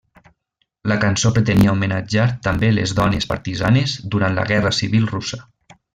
La cançó pretenia homenatjar també les dones partisanes durant la guerra civil russa.